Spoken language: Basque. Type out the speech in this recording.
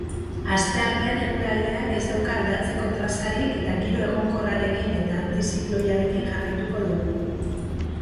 Asteartean eguraldiak ez dauka aldatzeko trazarik eta giro egonkorrarekin eta antizikloikoarekin jarraituko dugu.